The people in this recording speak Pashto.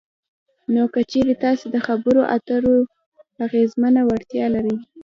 نو که چېرې تاسې دخبرو اترو اغیزمنه وړتیا ولرئ